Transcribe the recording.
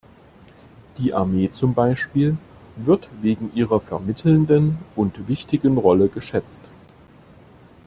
Die Armee zum Beispiel wird wegen ihrer vermittelnden und wichtigen Rolle geschätzt.